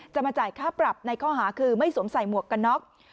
มาจ่ายค่าปรับในข้อหาคือไม่สวมใส่หมวกกันน็อก